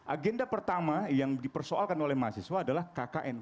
agenda pertama yang dipersoalkan oleh mahasiswa adalah kkn